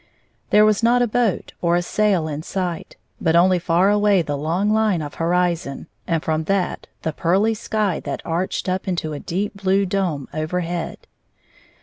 There was not a boat or a sail in sight, but only far away the long line of horizon, and fi om that the pearly sky that arched up into a deep blue dome overhead.